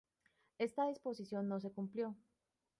Esta disposición no se cumplió.